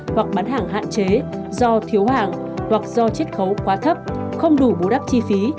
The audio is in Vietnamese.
hoặc bán hàng hạn chế do thiếu hàng hoặc do chết khấu quá thấp không đủ bù đắp chi phí